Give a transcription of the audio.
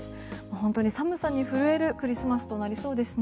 本当に寒さに震えるクリスマスとなりそうですね。